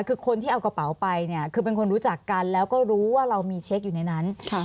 คือคนที่เอากระเป๋าไปเนี่ยคือเป็นคนรู้จักกันแล้วก็รู้ว่าเรามีเช็คอยู่ในนั้น